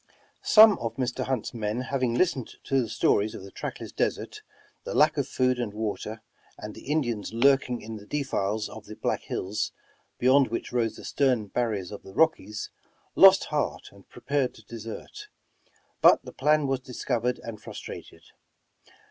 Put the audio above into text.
Some of Mr. Hunt's men having listened to the stories of the trackless desert, the lack of food and water, and the Indians lurking in the defiles of the Black Hills, beyond which rose the stern barriers of the Rockies, lost heart and prepared to desert; but the plan was discovered and frustrated.